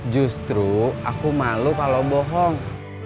justru aku malu kalau bohong